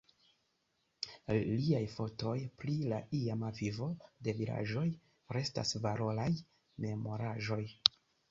Liaj fotoj pri la iama vivo de vilaĝoj restas valoraj memoraĵoj.